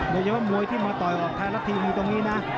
โดยเฉพาะมวยที่มาต่อยออกไทยรัฐทีวีตรงนี้นะ